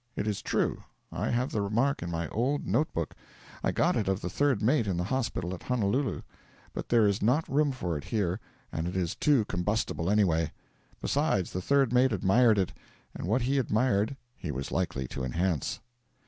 It is true: I have the remark in my old note book; I got it of the third mate in the hospital at Honolulu. But there is not room for it here, and it is too combustible, anyway. Besides, the third mate admired it, and what he admired he was likely to enhance.